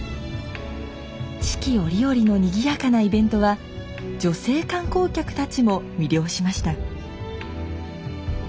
四季折々のにぎやかなイベントは女性観光客たちも魅了しました。